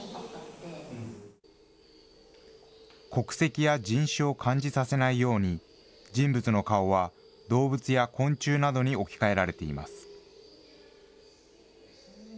国籍や人種を感じさせないように、人物の顔は動物や昆虫などに置き換えられています。